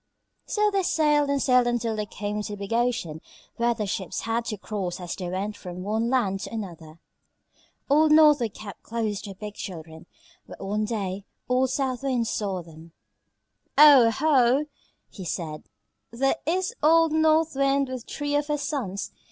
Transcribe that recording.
So they sailed and sailed until they came to the big ocean where the ships had to cross as they went from one land to another. Old North Wind kept close to her big children, but one day old South Wind saw them. "Oh, ho!" he said, "there is old North Wind with three of her sons.